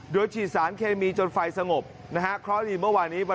โดยฉีดสารเคมีจนไฟสงบนะฮะ